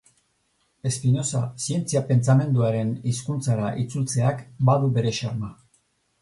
Spinoza zientzia-pentsamenduaren hizkuntzara itzultzeak badu bere xarma.